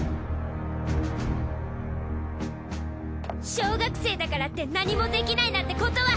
小学生だからって何もできないなんてことは。